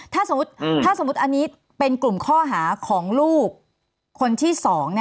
ถ้าสมมุติอันนี้เป็นกลุ่มข้อหาของลูกคนที่๒